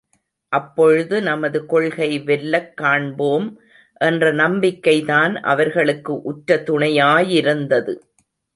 அப்பொழுது நமது கொள்கை வெல்லக் காண்போம் என்ற நம்பிக்கைதான் அவர்களுக்கு உற்ற துணையாயிருந்தது.